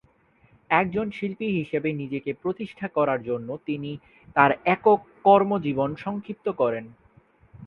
একজন শিল্পী হিসেবে নিজেকে প্রতিষ্ঠা করার জন্য তিনি তার একক কর্মজীবন সংক্ষিপ্ত করেন।